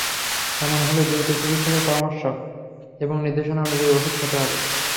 এমন হলে দ্রুত চিকিৎসকের পরামর্শ এবং নির্দেশনা অনুযায়ী ওষুধ খেতে হবে।